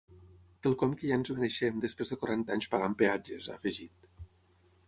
Quelcom que ja ens mereixem després de quaranta anys pagant peatges, ha afegit.